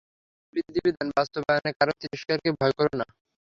আল্লাহর বিধি-বিধান বাস্তবায়নে কারো তিরস্কারকে ভয় করো না।